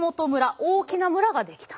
大きな村が出来たんです。